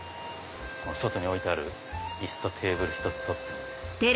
外に置いてある椅子とテーブルひとつとっても。